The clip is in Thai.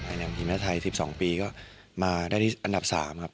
อันนี้แม่ไทย๑๒ปีก็มาได้อันดับ๓ครับ